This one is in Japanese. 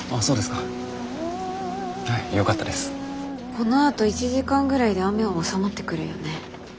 このあと１時間ぐらいで雨は収まってくるよね？